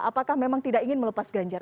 apakah memang tidak ingin melepas ganjar